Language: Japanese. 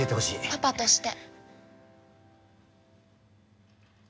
パパとして。